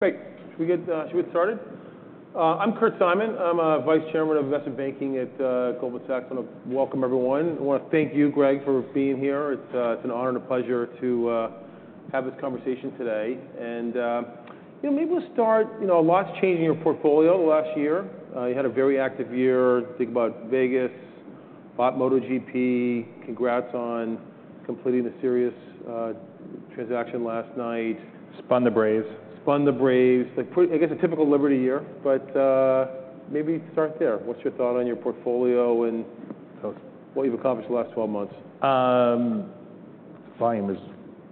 Great. Should we get started? I'm Kurt Simon. I'm Vice Chairman of Investment Banking at Goldman Sachs. I wanna welcome everyone. I wanna thank you, Greg, for being here. It's an honor and a pleasure to have this conversation today. And you know, maybe we'll start, you know, a lot's changed in your portfolio in the last year. You had a very active year. Think about Vegas, bought MotoGP. Congrats on completing the Sirius transaction last night. Spun the Braves. Spun the Braves. Like, pretty. I guess, a typical Liberty year, but maybe start there. What's your thought on your portfolio and so what you've accomplished in the last 12 months? Volume is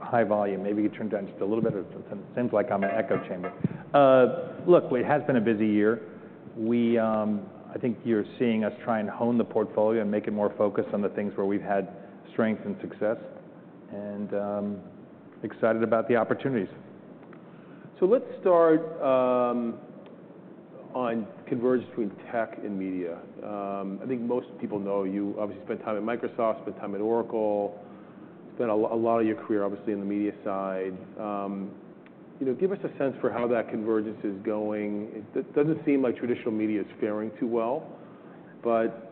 high volume. Maybe you turn it down just a little bit? It seems like I'm an echo chamber. Look, it has been a busy year. We, I think you're seeing us try and hone the portfolio and make it more focused on the things where we've had strength and success, and excited about the opportunities. Let's start on convergence between tech and media. I think most people know you obviously spent time at Microsoft, spent time at Oracle, spent a lot of your career, obviously, in the media side. You know, give us a sense for how that convergence is going. It doesn't seem like traditional media is faring too well, but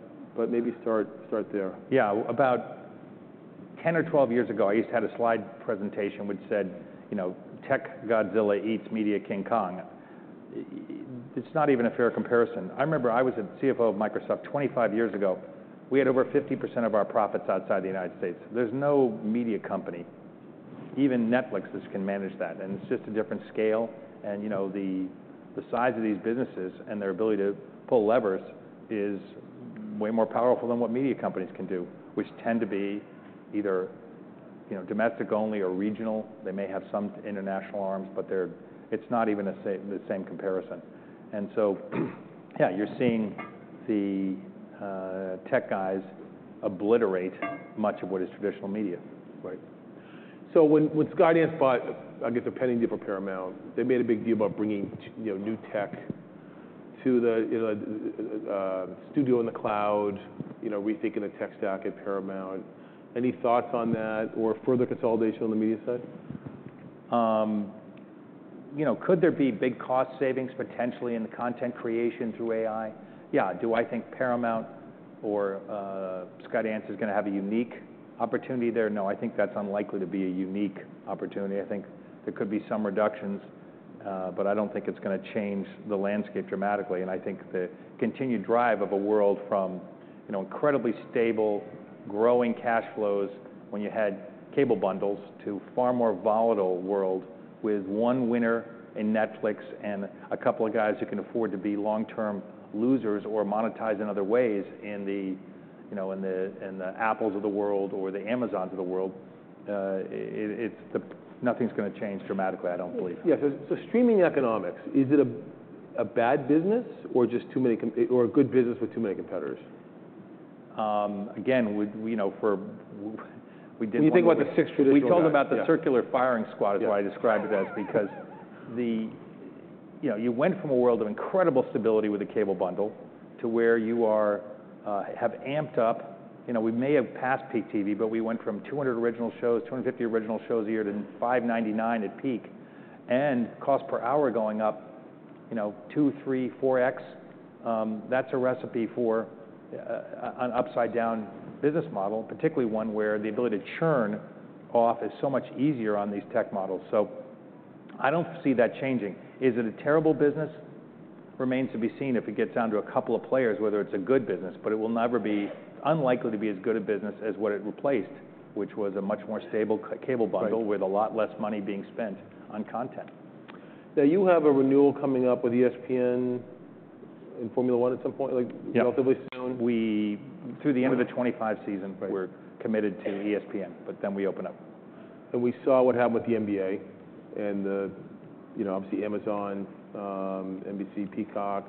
maybe start there. Yeah. About 10 or 12 years ago, I used to have a slide presentation which said, you know, "Tech Godzilla eats Media King Kong." It's not even a fair comparison. I remember I was a CFO of Microsoft 25 years ago, we had over 50% of our profits outside the United States. There's no media company, even Netflix, that can manage that, and it's just a different scale. And, you know, the size of these businesses and their ability to pull levers is way more powerful than what media companies can do, which tend to be either, you know, domestic only or regional. They may have some international arms, but they're it's not even the same comparison. And so yeah, you're seeing the tech guys obliterate much of what is traditional media. Right. So when Skydance bought, I guess, a pending deal for Paramount, they made a big deal about bringing, you know, new tech to the, you know, the studio in the cloud, you know, rethinking the tech stack at Paramount. Any thoughts on that or further consolidation on the media side? You know, could there be big cost savings potentially in the content creation through AI? Yeah. Do I think Paramount or Skydance is gonna have a unique opportunity there? No, I think that's unlikely to be a unique opportunity. I think there could be some reductions, but I don't think it's gonna change the landscape dramatically. And I think the continued drive of a world from, you know, incredibly stable, growing cash flows when you had cable bundles, to a far more volatile world with one winner in Netflix and a couple of guys who can afford to be long-term losers or monetized in other ways, in the, you know, in the, in the Apples of the world or the Amazons of the world, nothing's gonna change dramatically, I don't believe. Yeah. So streaming economics, is it a bad business or just too many competitors or a good business with too many competitors? Again, we, you know, for we did one- Can you think about the six traditional- We talked about the circular firing squad- Yeah... is what I described it as, because. You know, you went from a world of incredible stability with the cable bundle to where you are, have amped up. You know, we may have passed peak TV, but we went from 200 original shows, 250 original shows a year, to 599 at peak, and cost per hour going up, you know, 2x, 3x, 4x. That's a recipe for an upside-down business model, particularly one where the ability to churn off is so much easier on these tech models. So I don't see that changing. Is it a terrible business? Remains to be seen if it gets down to a couple of players whether it's a good business, but it will never be, unlikely to be as good a business as what it replaced, which was a much more stable cable bundle. Right... with a lot less money being spent on content. Now, you have a renewal coming up with ESPN and Formula One at some point, like- Yeah... relatively soon. Through the end of the 2025 season- Right... we're committed to ESPN, but then we open up. We saw what happened with the NBA and the, you know, obviously Amazon, NBC, Peacock.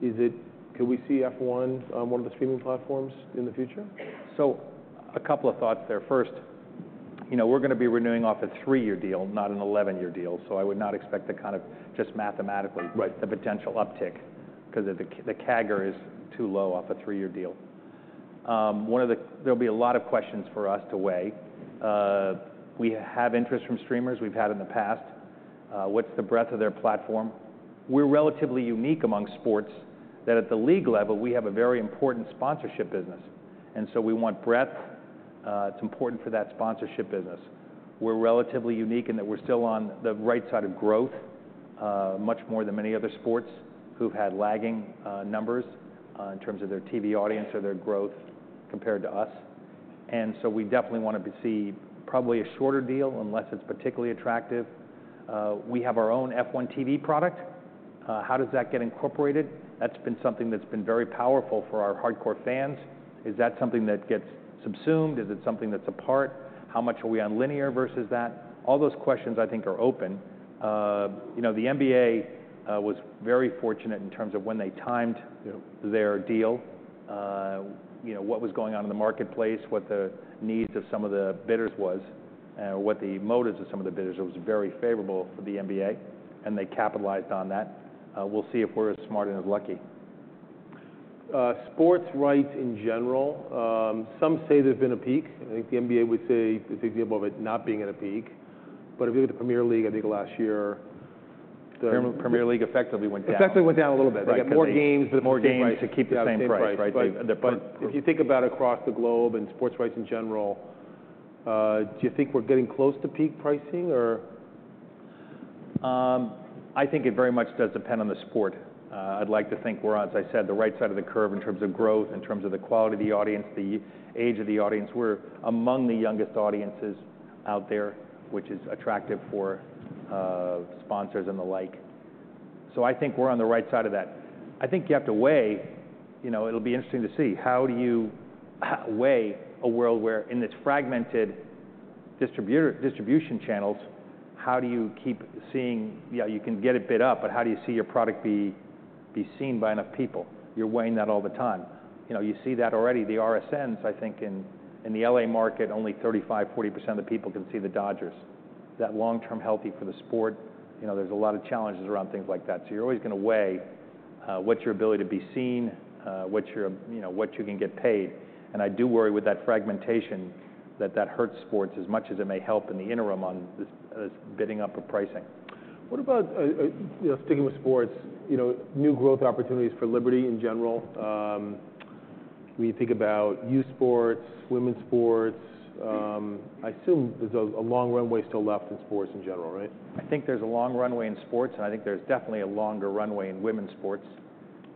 Could we see F1 on one of the streaming platforms in the future? So a couple of thoughts there. First, you know, we're gonna be renewing off a three-year deal, not an eleven-year deal, so I would not expect to kind of just mathematically- Right... the potential uptick, 'cause the CAGR is too low off a three-year deal. One of the... There'll be a lot of questions for us to weigh. We have interest from streamers, we've had in the past. What's the breadth of their platform? We're relatively unique among sports, that at the league level, we have a very important sponsorship business, and so we want breadth. It's important for that sponsorship business. We're relatively unique in that we're still on the right side of growth, much more than many other sports who've had lagging numbers, in terms of their TV audience or their growth compared to us. We definitely want to see probably a shorter deal, unless it's particularly attractive. We have our own F1 TV product. How does that get incorporated? That's been something that's been very powerful for our hardcore fans. Is that something that gets subsumed? Is it something that's a part? How much are we on linear versus that? All those questions, I think, are open. You know, the NBA was very fortunate in terms of when they timed, you know, their deal, you know, what was going on in the marketplace, what the needs of some of the bidders was, what the motives of some of the bidders was, it was very favorable for the NBA, and they capitalized on that. We'll see if we're as smart and as lucky.... sports rights in general, some say there's been a peak. I think the NBA would say it's example of it not being in a peak. But if you look at the Premier League, I think last year, the- Premier League effectively went down. Effectively went down a little bit. Right. Because more games- More games to keep the same price, right? Yeah, the same price. But, but- If you think about across the globe and sports rights in general, do you think we're getting close to peak pricing or...? I think it very much does depend on the sport. I'd like to think we're, as I said, the right side of the curve in terms of growth, in terms of the quality of the audience, the age of the audience. We're among the youngest audiences out there, which is attractive for, sponsors and the like. So I think we're on the right side of that. I think you have to weigh. You know, it'll be interesting to see, how do you weigh a world where in its fragmented distribution channels, how do you keep seeing. Yeah, you can get a bit up, but how do you see your product be seen by enough people? You're weighing that all the time. You know, you see that already. The RSNs, I think, in the LA market, only 35%-40% of the people can see the Dodgers. Is that long-term healthy for the sport? You know, there's a lot of challenges around things like that. So you're always gonna weigh what's your ability to be seen, what's your, you know, what you can get paid. And I do worry with that fragmentation, that hurts sports as much as it may help in the interim on this bidding up of pricing. What about, you know, sticking with sports, you know, new growth opportunities for Liberty in general? When you think about youth sports, women's sports, I assume there's a long runway still left in sports in general, right? I think there's a long runway in sports, and I think there's definitely a longer runway in women's sports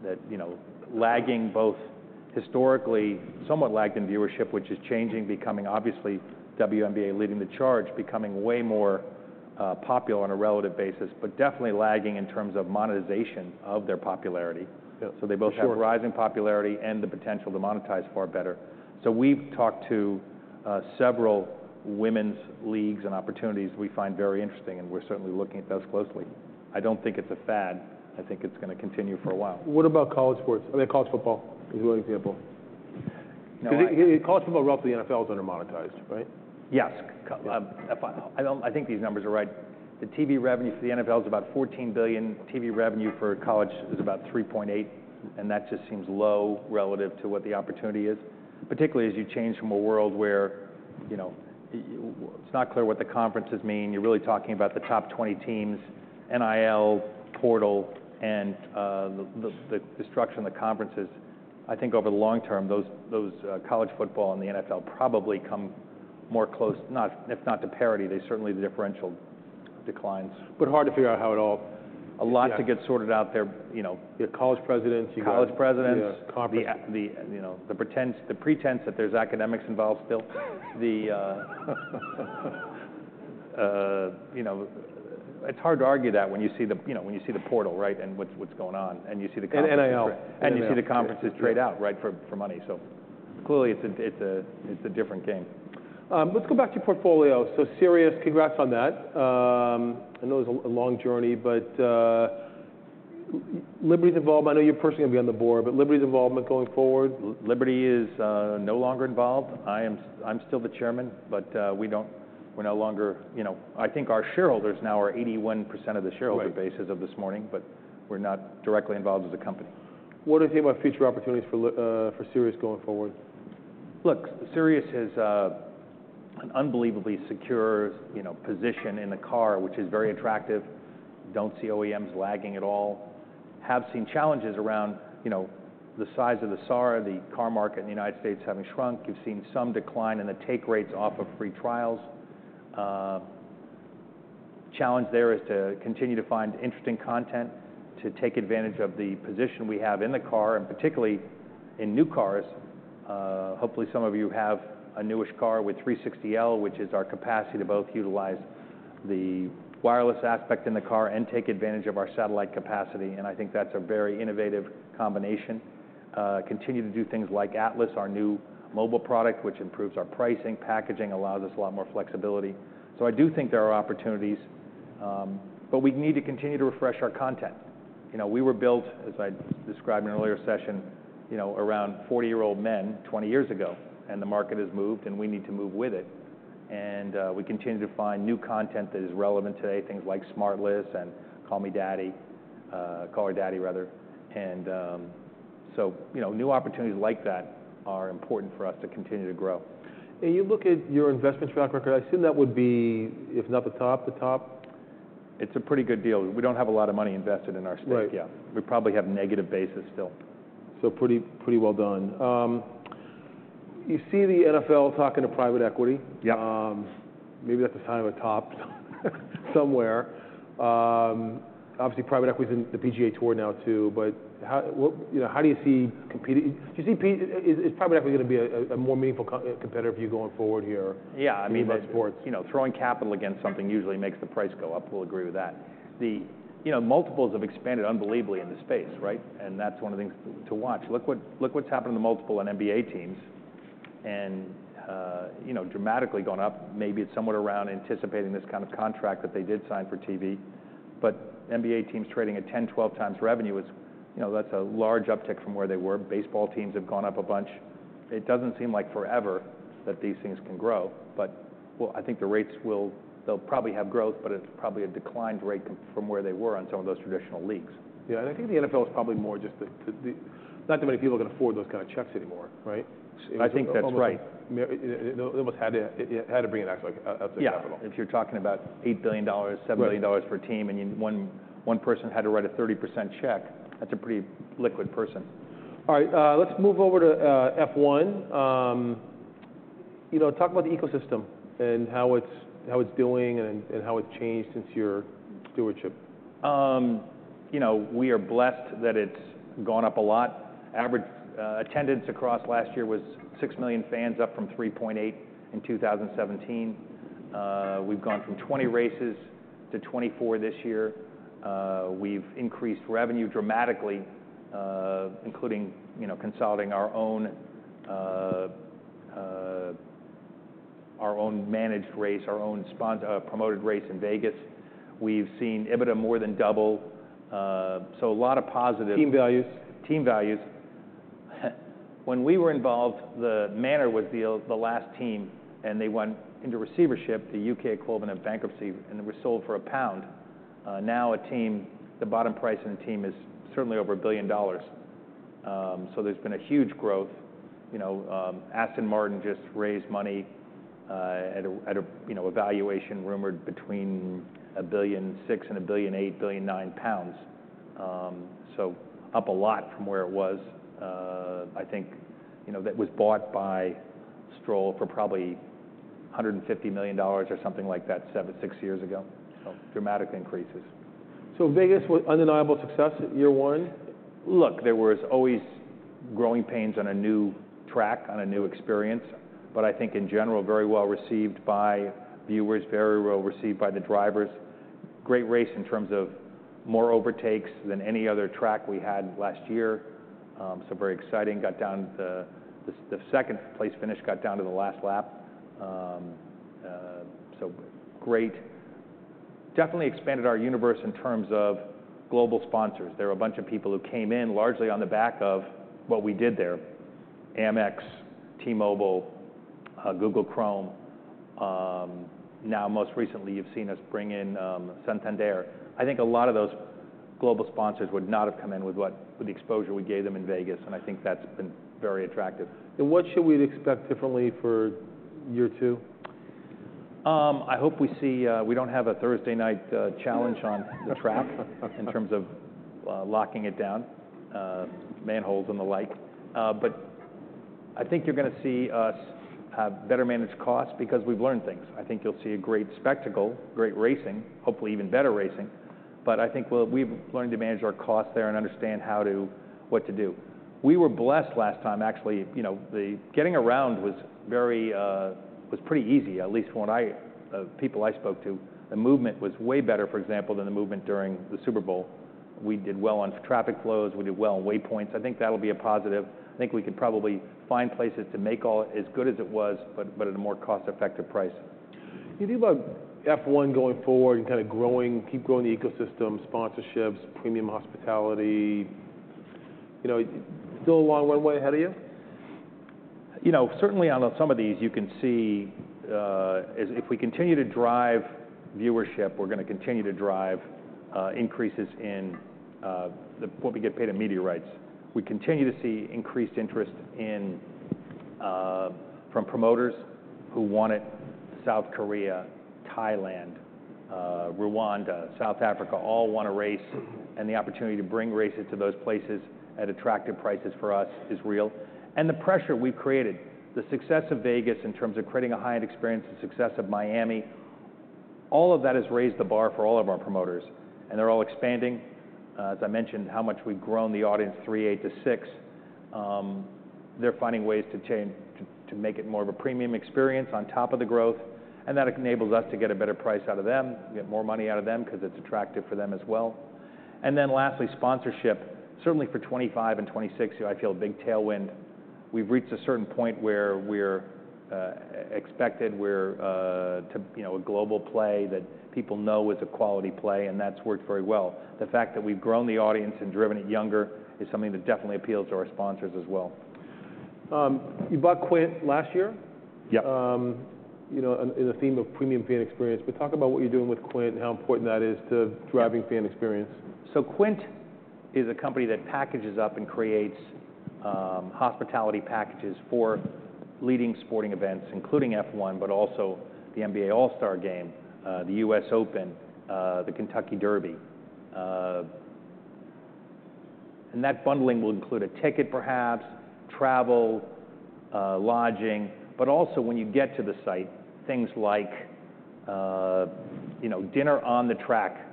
that, you know, lagging both historically, somewhat lagged in viewership, which is changing, becoming obviously, WNBA leading the charge, becoming way more, popular on a relative basis, but definitely lagging in terms of monetization of their popularity. Yeah, sure. So they both have rising popularity and the potential to monetize far better. We've talked to several women's leagues and opportunities we find very interesting, and we're certainly looking at those closely. I don't think it's a fad. I think it's gonna continue for a while. What about college sports? I mean, college football is one example. Now- 'Cause college football, roughly, NFL is under-monetized, right? Yes. I think these numbers are right. The TV revenue for the NFL is about $14 billion. TV revenue for college is about $3.8 billion, and that just seems low relative to what the opportunity is. Particularly as you change from a world where, you know, it's not clear what the conferences mean. You're really talking about the top 20 teams, NIL, portal, and the structure in the conferences. I think over the long term, those college football and the NFL probably come more close, not, if not to parity, there's certainly the differential declines. But hard to figure out how it all... A lot to get- Yeah... sorted out there, you know. You have college presidents, College presidents- Yeah, conference. You know, the pretense that there's academics involved still. You know, it's hard to argue that when you see the portal, right, and what's going on, and you see the conferences- And NIL. And you see the conferences trade out. Yes... right, for money. So clearly, it's a different game. Let's go back to your portfolio. So Sirius, congrats on that. I know it's a long journey, but Liberty's involved. I know you're personally gonna be on the board, but Liberty's involvement going forward? Liberty is no longer involved. I'm still the chairman, but we don't... We're no longer, you know. I think our shareholders now are 81% of the shareholder- Right... base as of this morning, but we're not directly involved as a company. What do you think about future opportunities for Sirius going forward? Look, Sirius has an unbelievably secure, you know, position in the car, which is very attractive. Don't see OEMs lagging at all. Have seen challenges around, you know, the size of the SAAR, the car market in the United States having shrunk. You've seen some decline in the take rates off of free trials. Challenge there is to continue to find interesting content, to take advantage of the position we have in the car, and particularly in new cars. Hopefully, some of you have a newish car with 360L, which is our capacity to both utilize the wireless aspect in the car and take advantage of our satellite capacity, and I think that's a very innovative combination. Continue to do things like Atlas, our new mobile product, which improves our pricing, packaging, allows us a lot more flexibility. I do think there are opportunities, but we need to continue to refresh our content. You know, we were built, as I described in an earlier session, you know, around forty-year-old men twenty years ago, and the market has moved, and we need to move with it. We continue to find new content that is relevant today, things like SmartLess and Call Her Daddy, rather. You know, new opportunities like that are important for us to continue to grow. You look at your investment track record, I assume that would be, if not the top, the top? It's a pretty good deal. We don't have a lot of money invested in our space. Right. Yeah. We probably have negative basis still. Pretty well done. You see the NFL talking to private equity. Yeah. Maybe that's a sign of a top somewhere. Obviously, private equity in the PGA Tour now, too, but you know, how do you see competing. Do you see private equity gonna be a more meaningful competitor for you going forward here? Yeah, I mean- In sports?... you know, throwing capital against something usually makes the price go up. We'll agree with that. The, you know, multiples have expanded unbelievably in this space, right? And that's one of the things to watch. Look what's happened to multiples on NBA teams, and, you know, dramatically gone up. Maybe it's somewhat around anticipating this kind of contract that they did sign for TV, but NBA teams trading at 10, 12 times revenue is, you know, that's a large uptick from where they were. Baseball teams have gone up a bunch. It doesn't seem like forever that these things can grow, but, well, I think the rates will- they'll probably have growth, but it's probably a declined rate from where they were on some of those traditional leagues. Yeah, and I think the NFL is probably more just the, not that many people can afford those kind of checks anymore, right? I think that's right. Almost had to, had to bring in actual, outside capital. Yeah, if you're talking about $8 billion- Right... $7 billion per team, and one person had to write a 30% check, that's a pretty liquid person. All right, let's move over to F1. You know, talk about the ecosystem and how it's doing, and how it's changed since your stewardship. You know, we are blessed that it's gone up a lot. Average attendance across last year was six million fans, up from 3.8 million in 2017. We've gone from 20 races to 24 this year. We've increased revenue dramatically, including, you know, consolidating our own managed race, our own promoted race in Vegas. We've seen EBITDA more than double. So a lot of positive- Team values? Team values. When we were involved, the Manor was the last team, and they went into receivership, the U.K. equivalent of bankruptcy, and it was sold for GBP 1. Now a team, the bottom price of a team is certainly over $1 billion. So there's been a huge growth. You know, Aston Martin just raised money at a valuation rumored between 1.6 billion and 1.8 billion, 1.9 billion. So up a lot from where it was. I think, you know, that was bought by Stroll for probably $150 million or something like that, six or seven years ago. So dramatic increases. So, Vegas was undeniable success, year one? Look, there was always growing pains on a new track, on a new experience, but I think in general, very well-received by viewers, very well-received by the drivers. Great race in terms of more overtakes than any other track we had last year. So very exciting. The second-place finish got down to the last lap. So great. Definitely expanded our universe in terms of global sponsors. There were a bunch of people who came in largely on the back of what we did there: Amex, T-Mobile, Google Chrome. Now, most recently, you've seen us bring in Santander. I think a lot of those global sponsors would not have come in with the exposure we gave them in Vegas, and I think that's been very attractive. What should we expect differently for year two? I hope we see we don't have a Thursday night challenge on the track in terms of locking it down, manholes and the like. But I think you're gonna see us better manage costs because we've learned things. I think you'll see a great spectacle, great racing, hopefully even better racing, but I think we've learned to manage our costs there and understand what to do. We were blessed last time, actually. You know, the getting around was very was pretty easy, at least when I people I spoke to. The movement was way better, for example, than the movement during the Super Bowl. We did well on traffic flows. We did well on waypoints. I think that'll be a positive. I think we could probably find places to make all as good as it was, but at a more cost-effective price. You think about F1 going forward and kinda growing, keep growing the ecosystem, sponsorships, premium hospitality, you know, still a long way ahead of you? You know, certainly on some of these, you can see, if we continue to drive viewership, we're gonna continue to drive increases in what we get paid in media rights. We continue to see increased interest in from promoters who want it. South Korea, Thailand, Rwanda, South Africa, all want a race, and the opportunity to bring races to those places at attractive prices for us is real. And the pressure we've created, the success of Vegas in terms of creating a high-end experience, the success of Miami, all of that has raised the bar for all of our promoters, and they're all expanding. As I mentioned, how much we've grown the audience, 3.8 to 6. They're finding ways to change to make it more of a premium experience on top of the growth, and that enables us to get a better price out of them, get more money out of them because it's attractive for them as well. And then lastly, sponsorship. Certainly for 2025 and 2026, I feel a big tailwind. We've reached a certain point where we're expected to, you know, a global play that people know is a quality play, and that's worked very well. The fact that we've grown the audience and driven it younger is something that definitely appeals to our sponsors as well. You bought Quint last year? Yep. You know, in the theme of premium fan experience, but talk about what you're doing with Quint and how important that is to driving fan experience. So Quint is a company that packages up and creates hospitality packages for leading sporting events, including F1, but also the NBA All-Star Game, the US Open, the Kentucky Derby. And that bundling will include a ticket, perhaps, travel, lodging, but also when you get to the site, things like, you know, dinner on the track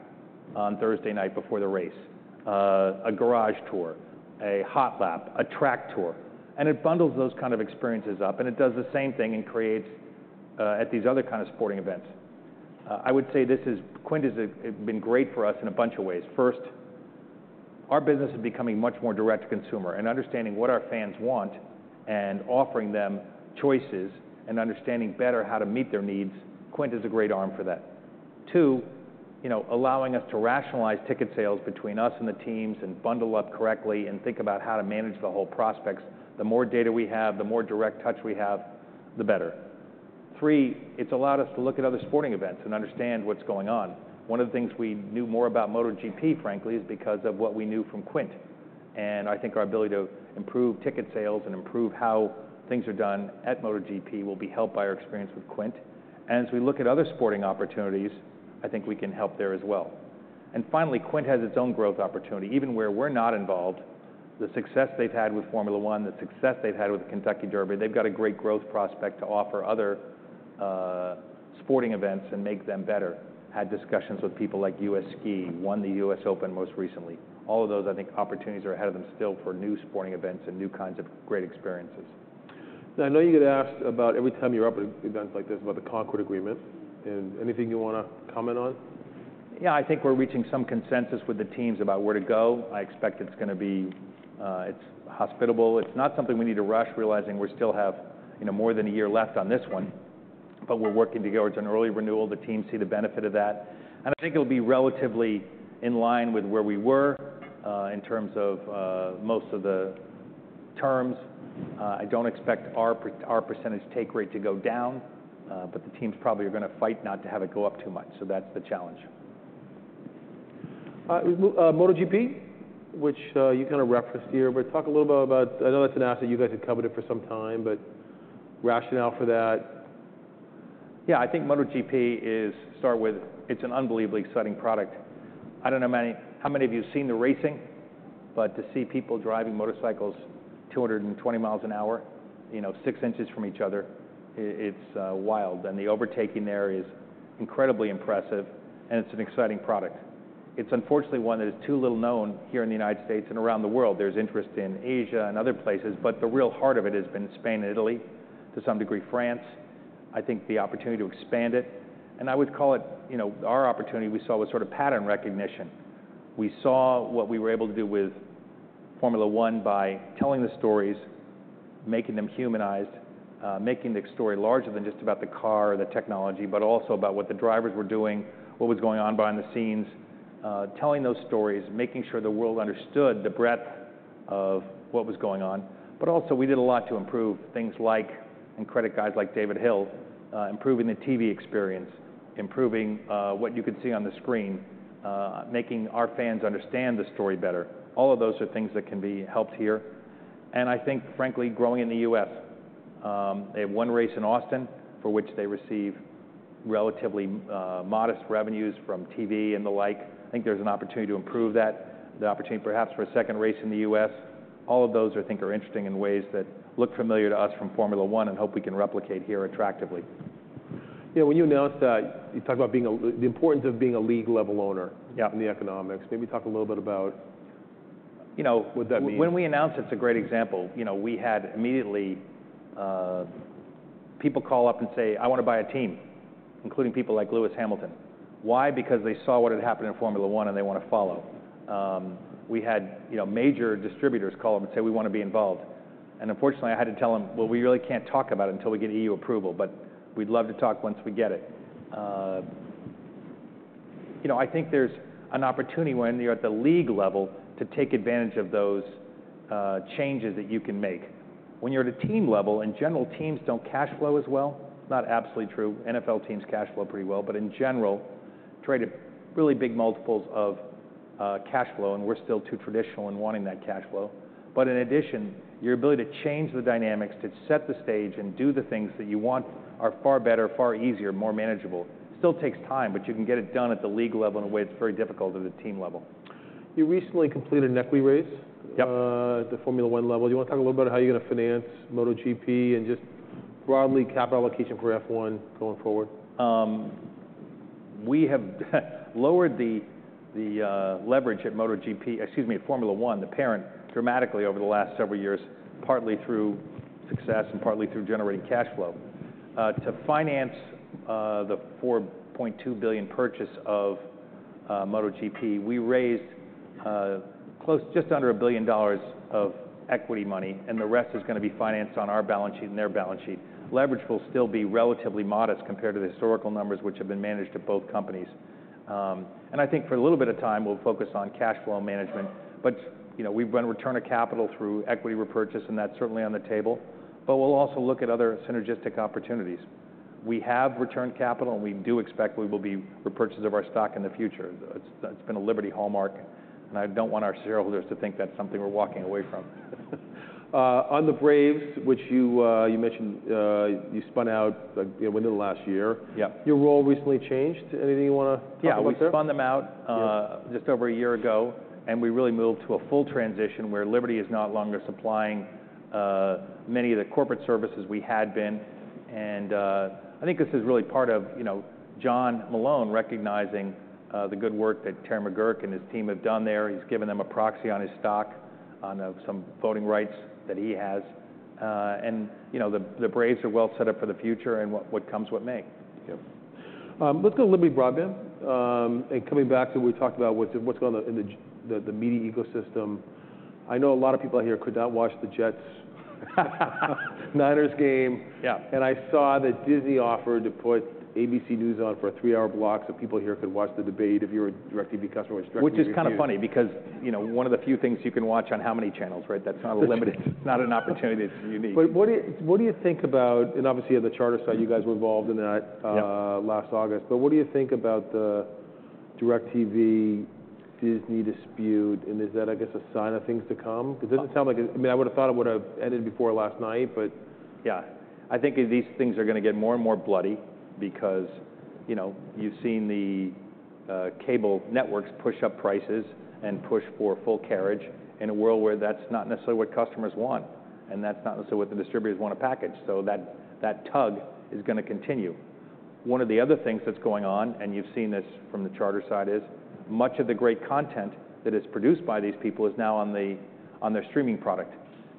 on Thursday night before the race, a garage tour, a hot lap, a track tour. And it bundles those kind of experiences up, and it does the same thing and creates at these other kind of sporting events. I would say Quint has been great for us in a bunch of ways. First, our business is becoming much more direct to consumer and understanding what our fans want and offering them choices and understanding better how to meet their needs. Quint is a great arm for that. Two, you know, allowing us to rationalize ticket sales between us and the teams and bundle up correctly and think about how to manage the whole prospects. The more data we have, the more direct touch we have, the better. Three, it's allowed us to look at other sporting events and understand what's going on. One of the things we knew more about MotoGP, frankly, is because of what we knew from Quint, and I think our ability to improve ticket sales and improve how things are done at MotoGP will be helped by our experience with Quint, and as we look at other sporting opportunities, I think we can help there as well. Finally, Quint has its own growth opportunity. Even where we're not involved, the success they've had with Formula One, the success they've had with the Kentucky Derby, they've got a great growth prospect to offer other sporting events and make them better. Had discussions with people like U.S. Ski, won the U.S. Open most recently. All of those, I think, opportunities are ahead of them still for new sporting events and new kinds of great experiences. Now, I know you get asked about every time you're up at events like this about the Concord Agreement, and anything you wanna comment on? Yeah, I think we're reaching some consensus with the teams about where to go. I expect it's gonna be, it's hospitable. It's not something we need to rush, realizing we still have, you know, more than a year left on this one, but we're working together towards an early renewal. The teams see the benefit of that, and I think it'll be relatively in line with where we were, in terms of most of the terms. I don't expect our percentage take rate to go down, but the teams probably are gonna fight not to have it go up too much, so that's the challenge. MotoGP, which you kinda referenced here, but talk a little about. I know that's an asset you guys have coveted for some time, but rationale for that? Yeah, I think MotoGP is, to start with, it's an unbelievably exciting product. I don't know how many of you have seen the racing, but to see people driving motorcycles 220 miles an hour, you know, six inches from each other, it's wild, and the overtaking there is incredibly impressive, and it's an exciting product. It's unfortunately one that is too little known here in the United States and around the world. There's interest in Asia and other places, but the real heart of it has been Spain and Italy, to some degree, France. I think the opportunity to expand it, and I would call it, you know, our opportunity we saw was sort of pattern recognition. We saw what we were able to do with F1 by telling the stories, making them humanized, making the story larger than just about the car or the technology, but also about what the drivers were doing, what was going on behind the scenes, telling those stories, making sure the world understood the breadth of what was going on. But also, we did a lot to improve things like, and credit guys like David Hill, improving the TV experience, improving, what you could see on the screen, making our fans understand the story better. All of those are things that can be helped here, and I think, frankly, growing in the U.S., they have one race in Austin, for which they receive relatively, modest revenues from TV and the like. I think there's an opportunity to improve that, the opportunity perhaps for a second race in the U.S. All of those I think are interesting in ways that look familiar to us from F1 and hope we can replicate here attractively. You know, when you announced that, you talked about the importance of being a league-level owner- Yeah... in the economics. Maybe talk a little bit about, you know, what that means. When we announced it, it's a great example. You know, we had immediately people call up and say, "I wanna buy a team," including people like Lewis Hamilton. Why? Because they saw what had happened in F1, and they want to follow. We had, you know, major distributors call up and say, "We wanna be involved." And unfortunately, I had to tell them, "Well, we really can't talk about it until we get EU approval, but we'd love to talk once we get it." You know, I think there's an opportunity when you're at the league level to take advantage of those changes that you can make. When you're at a team level, in general, teams don't cash flow as well. Not absolutely true. NFL teams cash flow pretty well, but in general, trade at really big multiples of cash flow, and we're still too traditional in wanting that cash flow. But in addition, your ability to change the dynamics, to set the stage and do the things that you want, are far better, far easier, more manageable. Still takes time, but you can get it done at the league level in a way that's very difficult at the team level. You recently completed an equity raise. Yep... at the F1 level. You wanna talk a little about how you're gonna finance MotoGP and just broadly capital allocation for F1 going forward? We have lowered the leverage at MotoGP, excuse me, at F1, the parent, dramatically over the last several years, partly through success and partly through generating cash flow. To finance the $4.2 billion purchase of MotoGP, we raised just under $1 billion of equity money, and the rest is gonna be financed on our balance sheet and their balance sheet. Leverage will still be relatively modest compared to the historical numbers which have been managed at both companies, and I think for a little bit of time, we'll focus on cash flow management, but you know, we've run return of capital through equity repurchase, and that's certainly on the table, but we'll also look at other synergistic opportunities. We have returned capital, and we do expect we will be repurchasing of our stock in the future. That's been a Liberty hallmark, and I don't want our shareholders to think that's something we're walking away from. On the Braves, which you mentioned, you know, you spun out within the last year. Yeah. Your role recently changed. Anything you wanna talk about there? Yeah, we spun them out. Yeah... just over a year ago, and we really moved to a full transition where Liberty is no longer supplying many of the corporate services we had been. And I think this is really part of, you know, John Malone recognizing the good work that Terry McGuirk and his team have done there. He's given them a proxy on his stock, on some voting rights that he has. And, you know, the Braves are well set up for the future and what comes what may. Yep. Let's go a little bit broad, then, and coming back to what we talked about, what's going on in the media ecosystem. I know a lot of people out here could not watch the Jets Niners game. Yeah. I saw that Disney offered to put ABC News on for a three-hour block, so people here could watch the debate if you're a DirecTV customer, which- Which is kind of funny, because you know, one of the few things you can watch on how many channels, right? That's not a limited, not an opportunity that's unique. But what do you think about, and obviously on the Charter side, you guys were involved in that- Yeah Last August, but what do you think about the DirecTV-Disney dispute, and is that, I guess, a sign of things to come? 'Cause it doesn't sound like... I mean, I would've thought it would've ended before last night, but- Yeah. I think these things are gonna get more and more bloody because, you know, you've seen the cable networks push up prices and push for full carriage in a world where that's not necessarily what customers want, and that's not necessarily what the distributors wanna package, so that tug is gonna continue. One of the other things that's going on, and you've seen this from the Charter side, is much of the great content that is produced by these people is now on their streaming product,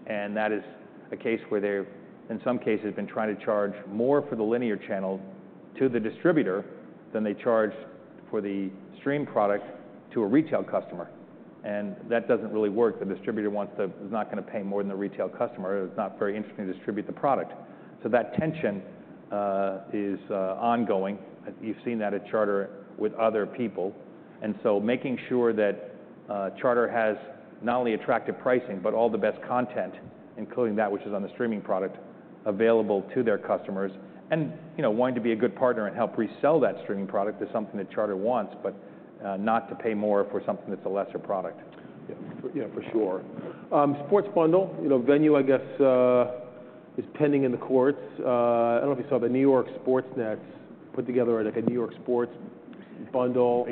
and that is a case where they've, in some cases, been trying to charge more for the linear channel to the distributor than they charge for the stream product to a retail customer, and that doesn't really work. The distributor is not gonna pay more than the retail customer, it's not very interesting to distribute the product. So that tension is ongoing. You've seen that at Charter with other people, and so making sure that Charter has not only attractive pricing, but all the best content, including that which is on the streaming product, available to their customers. And, you know, wanting to be a good partner and help resell that streaming product is something that Charter wants, but not to pay more for something that's a lesser product. Yeah, yeah, for sure. Sports bundle, you know, Venu, I guess, is pending in the courts. I don't know if you saw the New York sports nets put together, like, a New York sports bundle.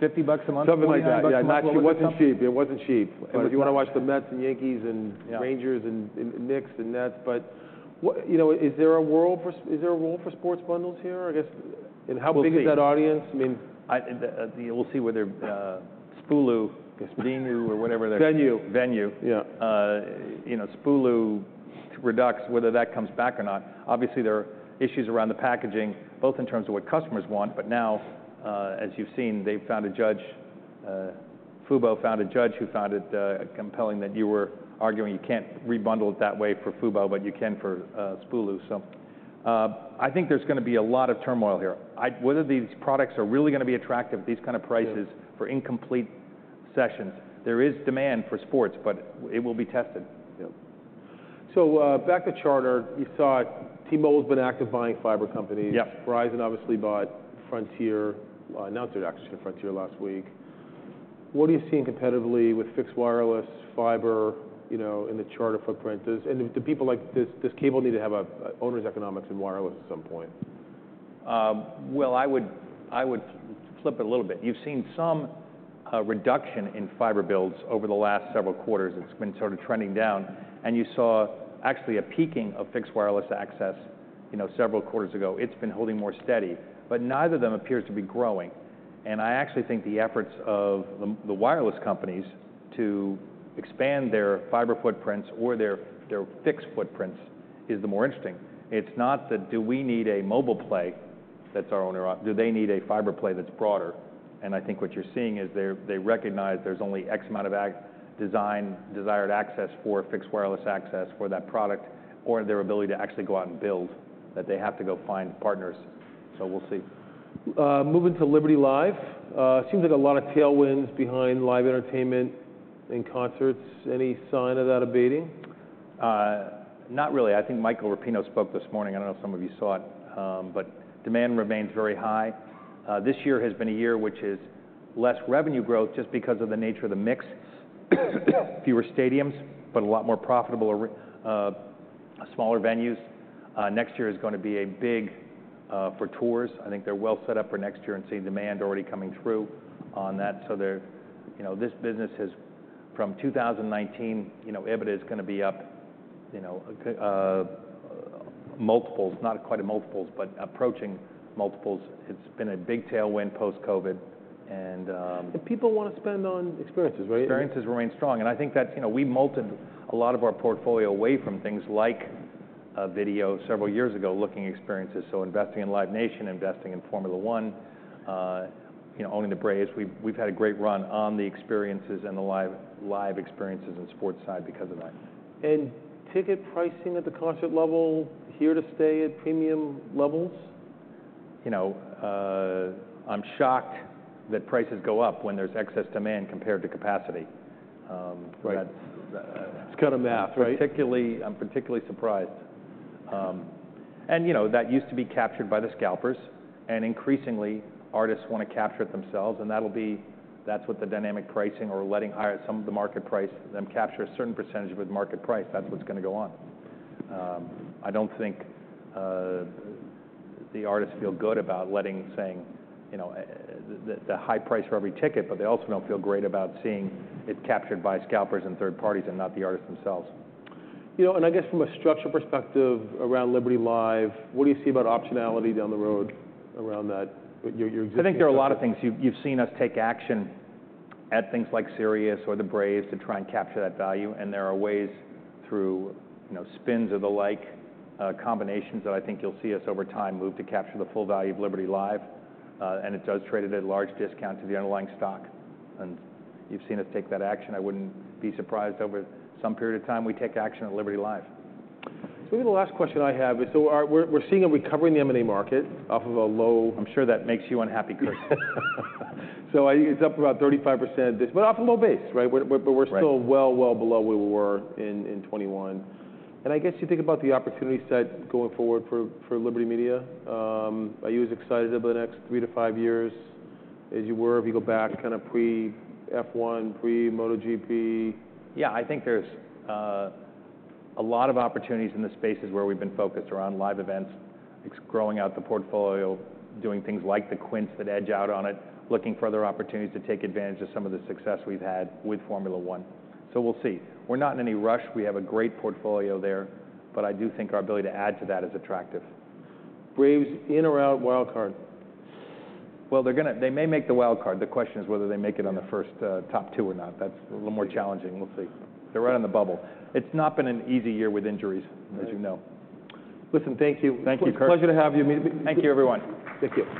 $50 a month, $49- Something like that. Yeah, it wasn't cheap. It wasn't cheap. Right. If you wanna watch the Mets, and Yankees, and- Yeah... Rangers, and Knicks and Nets, but what, you know, is there a world for? Is there a role for sports bundles here, I guess? We'll see. How big is that audience? I mean- We'll see whether Spulu, Venu, or whatever their- Venu. Venu. Yeah. You know, Spulu Redux, whether that comes back or not. Obviously, there are issues around the packaging, both in terms of what customers want, but now, as you've seen, Fubo found a judge who found it compelling that you were arguing you can't re-bundle it that way for Fubo, but you can for Spulu. So, I think there's gonna be a lot of turmoil here. Whether these products are really gonna be attractive at these kind of prices- Yeah... for incomplete sessions. There is demand for sports, but it will be tested. Yeah. So, back to Charter, you saw T-Mobile's been active buying fiber companies. Yeah. Verizon obviously bought Frontier, announced it actually last week. What are you seeing competitively with fixed wireless fiber, you know, in the Charter footprint? Does cable need to have an owner's economics in wireless at some point? I would flip it a little bit. You've seen some reduction in fiber builds over the last several quarters, it's been sort of trending down. You saw actually a peaking of fixed wireless access, you know, several quarters ago. It's been holding more steady, but neither of them appears to be growing. I actually think the efforts of the wireless companies to expand their fiber footprints or their fixed footprints is the more interesting. It's not the do we need a mobile play that's our owner op- do they need a fiber play that's broader? I think what you're seeing is they recognize there's only X amount of desired access for fixed wireless access for that product, or their ability to actually go out and build, that they have to go find partners. So we'll see. Moving to Liberty Live, seems like a lot of tailwinds behind live entertainment and concerts. Any sign of that abating? Not really. I think Michael Rapino spoke this morning. I don't know if some of you saw it, but demand remains very high. This year has been a year which is less revenue growth just because of the nature of the mix. Fewer stadiums, but a lot more profitable smaller venues. Next year is gonna be big for tours. I think they're well set up for next year and seeing demand already coming through on that, so they're... You know, this business has, from 2019, you know, EBITDA is gonna be up, you know, multiples, not quite at multiples, but approaching multiples. It's been a big tailwind post-COVID, and, People wanna spend on experiences, right? Experiences remain strong, and I think that's, you know, we molded a lot of our portfolio away from things like video several years ago, looking at experiences, so investing in Live Nation, investing in F1, you know, owning the Braves. We've had a great run on the experiences and the live experiences and sports side because of that. Ticket pricing at the concert level here to stay at premium levels? You know, I'm shocked that prices go up when there's excess demand compared to capacity. Right... That's It's kind of math, right? Particularly, I'm surprised. You know, that used to be captured by the scalpers, and increasingly, artists wanna capture it themselves, and that's what the dynamic pricing or letting higher some of the market price, them capture a certain percentage of the market price, that's what's gonna go on. I don't think the artists feel good about letting, saying, you know, the high price for every ticket, but they also don't feel great about seeing it captured by scalpers and third parties and not the artists themselves. You know, and I guess from a structural perspective around Liberty Live, what do you see about optionality down the road around that, with your existing- I think there are a lot of things. You've seen us take action at things like Sirius or the Braves to try and capture that value, and there are ways through, you know, spins or the like, combinations that I think you'll see us over time move to capture the full value of Liberty Live. And it does trade at a large discount to the underlying stock, and you've seen us take that action. I wouldn't be surprised if over some period of time we take action on Liberty Live. So the last question I have is, so we're seeing a recovery in the M&A market off of a low- I'm sure that makes you unhappy, Kurt. It's up about 35% but off a low base, right? We're Right... but we're still well, well below where we were in 2021. And I guess you think about the opportunity set going forward for Liberty Media, are you as excited about the next three to five years as you were if you go back kind of pre-F1, pre-MotoGP? Yeah, I think there's a lot of opportunities in the spaces where we've been focused around live events, e.g., growing out the portfolio, doing things like the Quint acquisition, looking for other opportunities to take advantage of some of the success we've had with F1. So we'll see. We're not in any rush. We have a great portfolio there, but I do think our ability to add to that is attractive. Braves, in or out wild card? They may make the wild card. The question is whether they make it on the first top two or not. That's a little more challenging. We'll see. They're right on the bubble. It's not been an easy year with injuries. Right... as you know. Listen, thank you. Thank you, Kurt. Pleasure to have you. Thank you, everyone. Thank you.